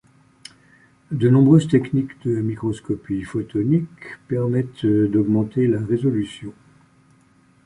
De nombreuses techniques de microscopie photonique permettent d'augmenter la résolution.